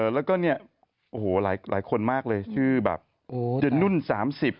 แล้วก็เนี่ยโอ้โหหลายคนมากเลยชื่อแบบเจนุ่นสามสิบ